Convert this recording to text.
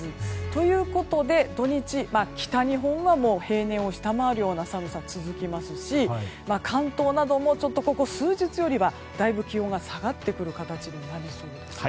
ということで、土日北日本は平年を下回るような寒さが続きますし関東などもちょっとここ数日よりはだいぶ気温が下がってくる形になりそうです。